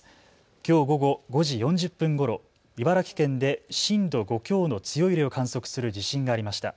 きょう午後５時４０分ごろ、茨城県で震度５強の強い揺れを観測する地震がありました。